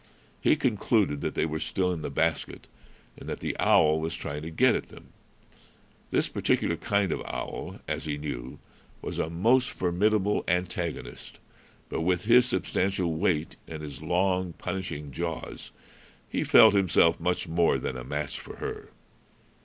He concluded that they were still in the basket, and that the owl was trying to get at them. This particular kind of owl, as he knew, was a most formidable antagonist; but with his substantial weight and his long, punishing jaws, he felt himself much more than a match for her.